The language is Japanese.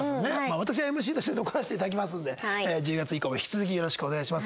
私はＭＣとして残らせていただきますので１０月以降も引き続きよろしくお願いします。